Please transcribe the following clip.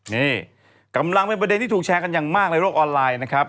นี่กำลังเป็นประเด็นที่ถูกแชร์กันอย่างมากในโลกออนไลน์นะครับ